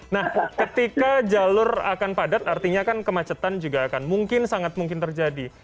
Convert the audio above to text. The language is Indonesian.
nah ketika jalur akan padat artinya kan kemacetan juga akan mungkin sangat mungkin terjadi